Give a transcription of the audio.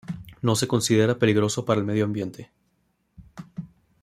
No se considera peligroso para el medio ambiente.